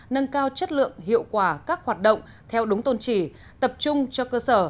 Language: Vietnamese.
nâng cao chất lượng hiệu quả các hoạt động theo đúng tôn trì tập trung cho cơ sở